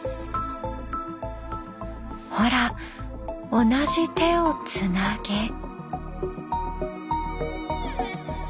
ほら同じ手をつなげ。